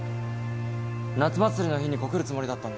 夏祭りの日に告るつもりだったんだ。